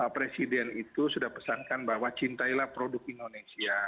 presiden itu sudah pesankan bahwa cintailah produk indonesia